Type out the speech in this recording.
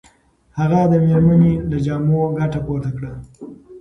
هغه د مېرمنې له جامو ګټه پورته کړه.